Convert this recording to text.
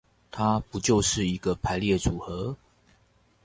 它不就是一個排列組合